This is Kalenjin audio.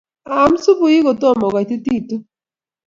Aam supukuuk kotomo kogaitititu